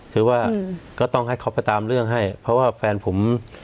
คือว่าก็ต้องให้เขาไปตามเรื่องให้เพราะว่าแฟนผม